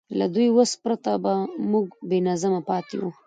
له دې وس پرته به موږ بېنظمه پاتې وو.